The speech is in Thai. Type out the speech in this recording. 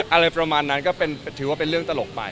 อะไรประมาณนั้นก็ถือว่าเป็นเรื่องตลกไป